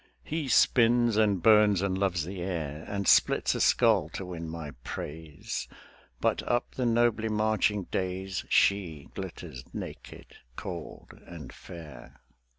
He spins and burns and loves the air, And splits a skull to win my praise; But up the nobly marching days She glitters naked, cold and fair.